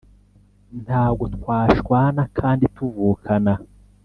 ntago twashwana kandi tuvukana